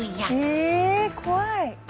ええ怖い！